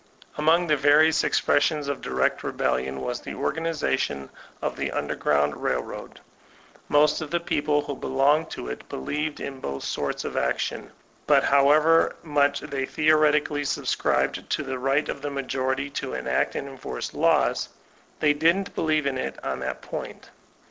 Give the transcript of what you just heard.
Among the various expressions of direct rebellion was the organisation of the "underground railroad.*' Most of the people who belonged to it believed in both sorts of action ; but however much they theoretically subscribed to the right of the majority to enact and enforce laws, they didn't believe in it on that point.